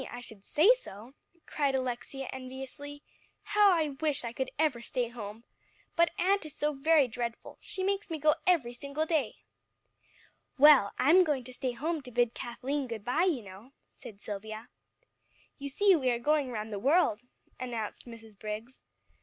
I should say so," cried Alexia enviously. "How I wish I could ever stay home! But aunt is so very dreadful, she makes me go every single day." "Well, I'm going to stay home to bid Kathleen good bye, you know," said Silvia. "You see we are going around the world," announced Mrs. Briggs.